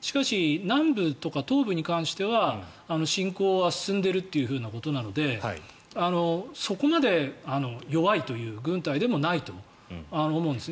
しかし南部とか東部に関しては侵攻は進んでいるということなのでそこまで弱いという軍隊でもないと思うんです。